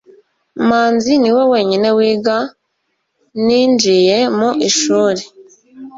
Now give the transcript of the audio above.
manzi niwe wenyine wiga ninjiye mu ishuri